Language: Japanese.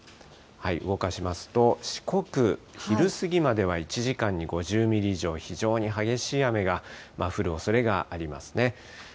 動かしますと、四国、昼過ぎまでは１時間に５０ミリ以上、非常に激しい雨が降るおそれがありますね。